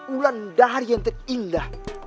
ulan dari yang terindah